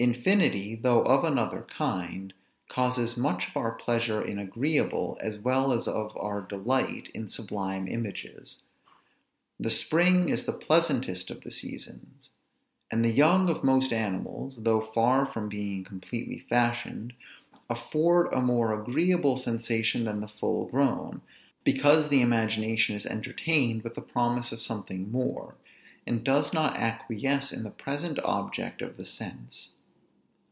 Infinity, though of another kind, causes much of our pleasure in agreeable, as well as of our delight in sublime images. The spring is the pleasantest of the seasons; and the young of most animals, though far from being completely fashioned, afford a more agreeable sensation than the full grown; because the imagination is entertained with the promise of something more, and does not acquiesce in the present object of the sense.